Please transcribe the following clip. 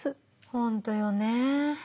本当よね。